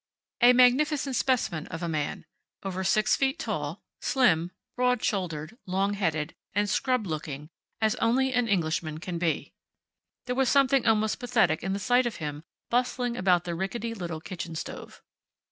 A magnificent specimen of a man, over six feet tall slim, broad shouldered, long headed, and scrubbed looking as only an Englishman can be, there was something almost pathetic in the sight of him bustling about the rickety little kitchen stove.